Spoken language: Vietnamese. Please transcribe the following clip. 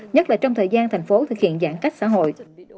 nhất là trong thời gian thành phố thực hiện giãn cách xã hội